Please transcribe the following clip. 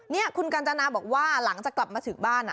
นี่คุณกัญจนาบอกว่าหลังจากกลับมาถึงบ้าน